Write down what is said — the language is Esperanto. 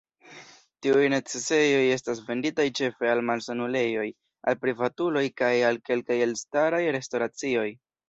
Tiuj necesejoj estas venditaj ĉefe al malsanulejoj, al privatuloj kaj al kelkaj elstaraj restoracioj.